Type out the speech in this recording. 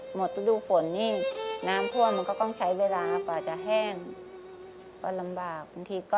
หมดตั้งแต่ส่วนนี้น้ำท่วมมันก็ต้องใช้เวลากว่าจะแห้ง